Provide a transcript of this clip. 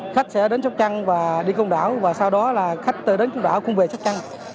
khách sẽ đến sóc trăng và đi công đảo và sau đó khách tới đến công đảo cũng về sóc trăng